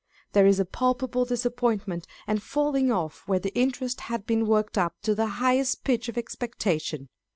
There is a palpable disappointment and falling off where the interest had been worked up to the highest pitch of expectation.